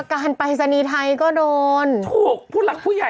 กรรมการประธานีไทยก็โดนถูกผู้รักผู้ใหญ่ก็โดน